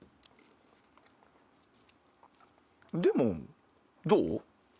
でもどう？